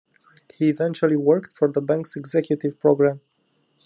He eventually worked for the bank's executive program.